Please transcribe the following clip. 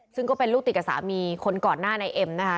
ซึ่งก็เป็นลูกติดกับสามีคนก่อนหน้านายเอ็มนะคะ